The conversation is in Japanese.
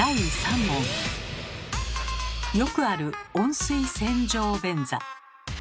よくある温水洗浄便座。